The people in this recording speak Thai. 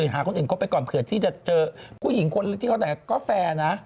หาคนอื่นครบไปก่อนเผื่อที่จะเจอผู้หญิงคนที่เขาแต่งก็แฟร์นะ